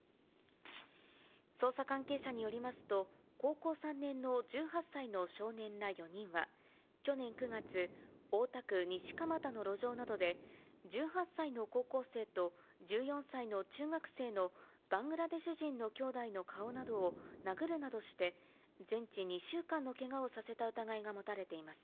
捜査関係者によりますと、高校３年の１８歳の少年ら４人は、去年９月、大田区西蒲田の路上などで、１８歳の高校生と１４歳の中学生のバングラデシュ人の兄弟の顔などを殴るなどして全治２週間のけがをさせた疑いが持たれています。